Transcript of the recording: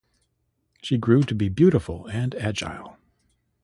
She grew to be beautiful and agile.